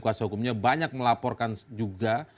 kuasa hukumnya banyak melaporkan juga